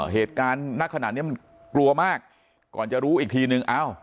เหตุการณ์น่าขนาดเนี้ยมันกลัวมากก่อนจะรู้อีกทีหนึ่งอ้าว